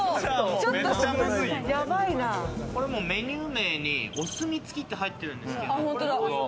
メニュー名に、お墨付きって入ってるんですけど。